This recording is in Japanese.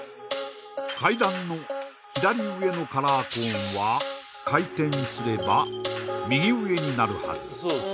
階段の左上のカラーコーンは回転すれば右上になるはず